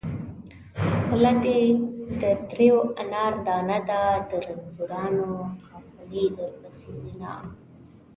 خوله دې د تريو انار دانه ده د رنځورانو قافلې درپسې ځينه